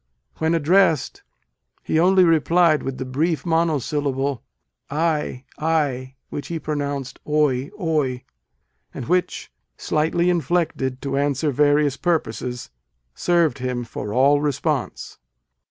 When addressed, he only replied with the brief monosyllable "Ay? Ay? 3 (which he pro nounced Oy? Qy?), and which, slightly in flected to answer various purposes, served him for all response.